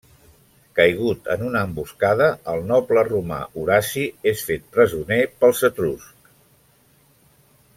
Caigut en una emboscada, el noble romà Horaci és fet presoner pels Etruscs.